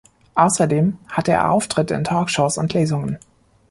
Außerdem hatte er Auftritte in Talkshows und Lesungen.